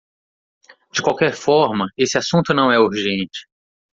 De qualquer forma, esse assunto não é urgente.